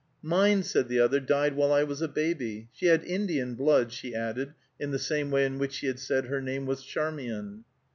"Mine," said the other, "died while I was a baby. She had Indian blood," she added in the same way in which she had said her name was Charmian.